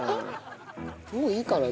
もういいかな？